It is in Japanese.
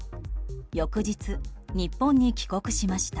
翌日、日本に帰国しました。